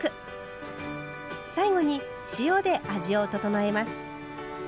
最後に塩で味を調えます。